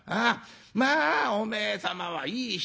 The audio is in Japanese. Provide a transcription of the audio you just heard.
まあおめえ様はいい人だって。